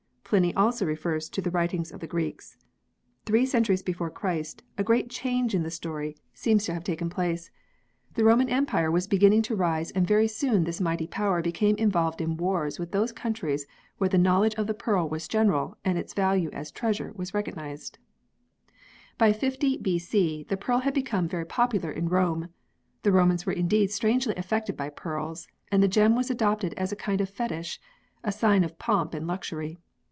Pliny also refers to the, writings of the Greeks. Three centuries before Christ a great change in the story seems to have 12 4 PEARLS [CH. taken place. The Roman empire was beginning to rise and very soon this mighty power became involved in wars with those countries where the knowledge of the pearl was general and its value as treasure was recognised. By 50 B.C. the pearl had become very popular in Rome. The Romans were indeed strangely affected by pearls, and the gem was adopted as a kind of fetish a sign of pomp and luxury.